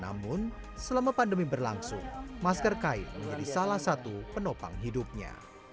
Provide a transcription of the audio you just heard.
namun selama pandemi berlangsung masker kain menjadi salah satu penopang hidupnya